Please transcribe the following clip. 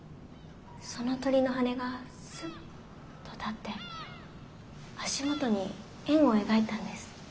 その鳥の羽根がスッと立って足元に円を描いたんです。